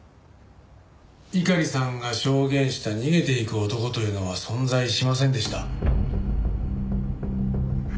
猪狩さんが証言した逃げていく男というのは存在しませんでした。